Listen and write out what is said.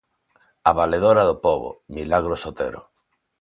A Valedora do Pobo, Milagros Otero.